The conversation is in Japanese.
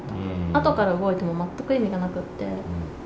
あとから動いても全く意味がなくって。